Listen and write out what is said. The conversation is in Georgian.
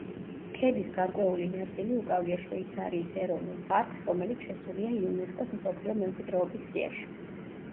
ქედის გარკვეული ნაწილი უკავია შვეიცარიის ეროვნულ პარკს, რომელიც შესულია იუნესკოს მსოფლიო მემკვიდრეობის სიაში.